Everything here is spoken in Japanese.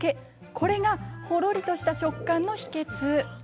これがほろりとした食感の秘けつ。